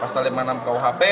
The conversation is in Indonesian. pasal lima puluh enam kuhp